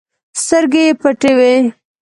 سترګې یې پټې وي.